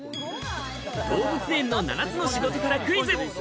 動物園の７つの仕事からクイズ！